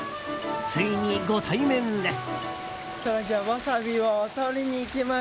ついにご対面です。